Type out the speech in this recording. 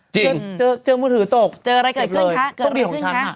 เจอมือถือตกเกิดอะไรขึ้นคะเกิดอะไรขึ้นคะ